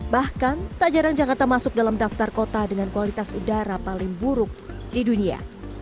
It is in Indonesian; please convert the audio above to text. bahkan tak jarang jakarta masuk dalam daftar kota dengan kualitas udara paling buruk di dunia